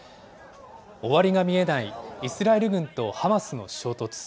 終わりが見えないイスラエル軍とハマスの衝突。